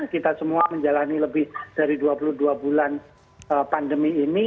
kita semua menjalani lebih dari dua puluh dua bulan pandemi ini